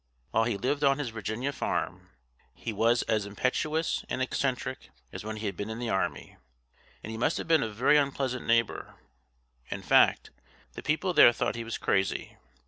While he lived on his Virginia farm, he was as impetuous and eccentric as when he had been in the army, and he must have been a very unpleasant neighbor. In fact, the people there thought he was crazy.